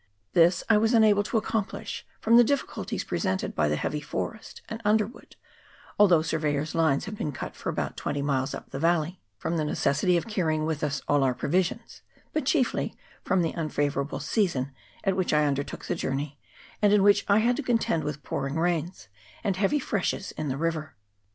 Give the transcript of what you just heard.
This I was unable to accomplish, from the difficulties presented by the heavy forest and under wood, although surveyors' lines had been cut for about twenty miles up the valley, from the necessity of CHAP. III.] ERITONGA RIVER. 73 carrying with us all our provisions, but chiefly from the unfavourable season at which I undertook the journey, and in which I had to contend with pour ing rains and heavy freshes in the river.